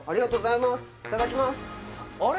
いただきますあれ？